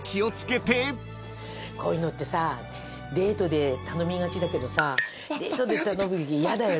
こういうのってさデートで頼みがちだけどさデートで頼むとき嫌だよね。